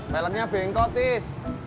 peleknya bengkot is